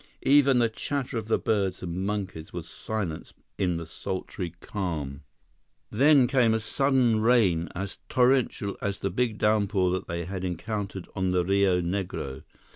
Even the chatter of the birds and monkeys was silenced in the sultry calm. Then came a sudden rain as torrential as the big downpour that they had encountered on the Rio Negro.